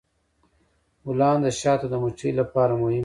ګلان د شاتو د مچیو لپاره مهم دي.